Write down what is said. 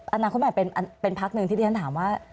อันนั้นคุณหมายเป็นพักหนึ่งที่ท่านถามว่า